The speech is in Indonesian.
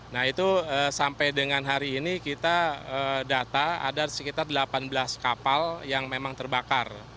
nah itu sampai dengan hari ini kita data ada sekitar delapan belas kapal yang memang terbakar